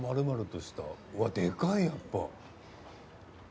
うわでかいやっぱ。